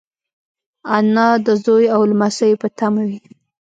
انا د زوی او لمسيو په تمه وي